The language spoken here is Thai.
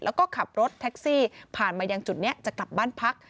แล้วก็ขับรถแท็กซี่ผ่านมายังจุดนี้จะกลับบ้านพัก